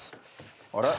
あれ？